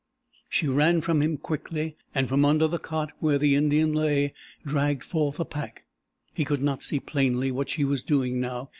She ran from him quickly and from under the cot where the Indian lay dragged forth a pack. He could not see plainly what she was doing now.